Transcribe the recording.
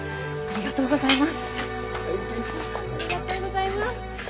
ありがとうございます。